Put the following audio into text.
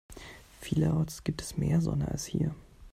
Vielerorts gibt es mehr Sonne als hier.